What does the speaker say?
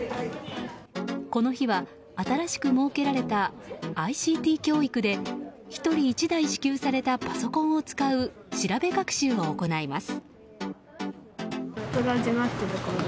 この日は新しく設けられたＩＣＴ教育で１人１台、支給されたパソコンを使う調べ学習を行います。